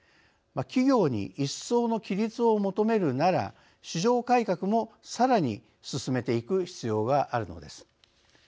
企業に一層の規律を求めるなら市場改革もさらに進めていく必要があるのです。